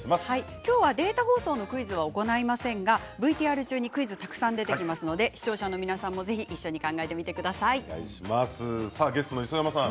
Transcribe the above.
きょうはデータ放送のクイズは行いませんがＶＴＲ中にクイズはたくさん出てきますので視聴者の皆さんもゲストの磯山さん